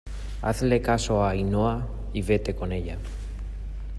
hazle caso a Ainhoa y vete con ella